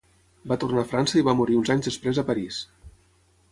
Va tornar a França i va morir uns anys després a París.